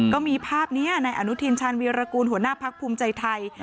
ก็มีภาพนี้ในอนุทินชาญวีรกูลหัวหน้าพักภูมิใจไทย